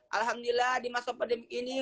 alhamdulillah di masa pandemi ini